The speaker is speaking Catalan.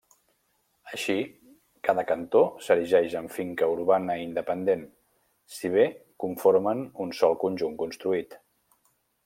Així, cada cantó s'erigeix en finca urbana independent, si bé conformen un sol conjunt construït.